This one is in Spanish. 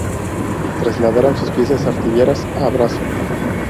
Trasladaron sus piezas artilleras a brazo.